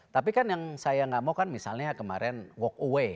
tapi kan yang saya nggak mau kan misalnya kemarin walk away